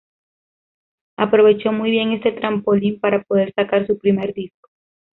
Aprovechó muy bien este trampolín para poder sacar su primer disco.